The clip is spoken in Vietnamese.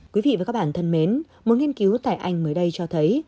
quý vị và các bạn thân mến một nghiên cứu tại anh mới đây cho thấy